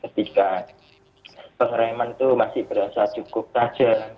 ketika pengereman itu masih berasa cukup tajam